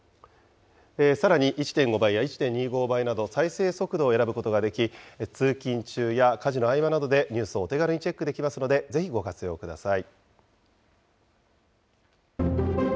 さらに、１．５倍や１．２５倍など、再生速度を選ぶことができ、通勤中や家事の合間などで、ニュースをお手軽にチェックできますので、ぜひご活用ください。